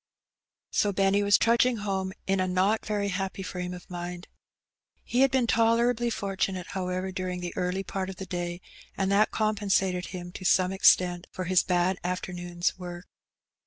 So Benny was tmdgmg home in a not very happy frame of mind. He had been tolerably for tunate^ however, daring the early part of the day, and that compensated him to some extent for his bad afternoon's work.